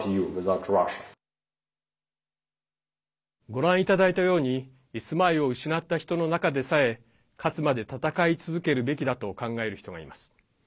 ご覧いただいたように住まいを失った人の中でさえ勝つまで戦い続けるべきだと考える人がいます。